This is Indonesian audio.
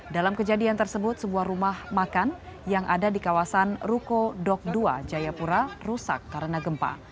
dalam kejadian tersebut sebuah rumah makan yang ada di kawasan ruko dok dua jayapura rusak karena gempa